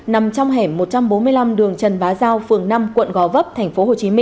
nằm trong hẻm một trăm bốn mươi năm đường trần bá giao phường năm quận gò vấp tp hcm